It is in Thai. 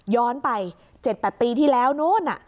ย้อนไป๗๘ปีที่แล้วนู้น